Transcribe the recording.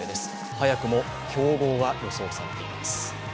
早くも競合が予想されています。